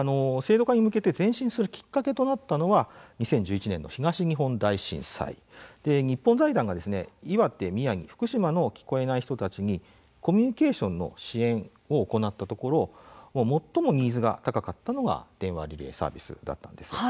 前進するきっかけとなったのは２０１１年の東日本大震災日本財団が岩手、宮城、福島の聞こえない人たちにコミュニケーションの支援を行ったところ最もニーズが高かったのが電話リレーサービスだったんです。